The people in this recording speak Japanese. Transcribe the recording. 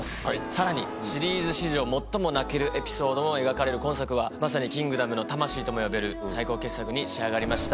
さらにシリーズ史上最も泣けるエピソードも描かれる今作はまさに『キングダム』の魂とも呼べる最高傑作に仕上がりました。